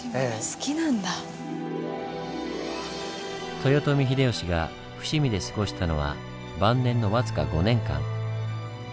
豊臣秀吉が伏見で過ごしたのは晩年の僅か５年間。